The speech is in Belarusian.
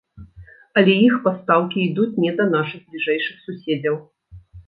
Але іх пастаўкі ідуць не да нашых бліжэйшых суседзяў.